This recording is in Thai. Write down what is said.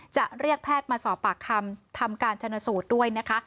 จะเรียกแพทย์มาสอบปากคำทำการชนสูตรด้วยนะคะ